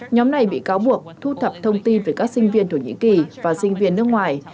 nhóm này bị cáo buộc thu thập thông tin về các sinh viên thổ nhĩ kỳ và sinh viên nước ngoài